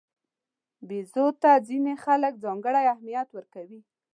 بیزو ته ځینې خلک ځانګړی اهمیت ورکوي.